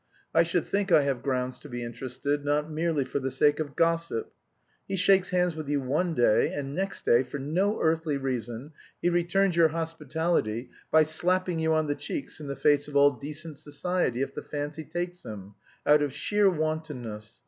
I should think I have grounds to be interested, not merely for the sake of gossip. He shakes hands with you one day, and next day, for no earthly reason, he returns your hospitality by slapping you on the cheeks in the face of all decent society, if the fancy takes him, out of sheer wantonness.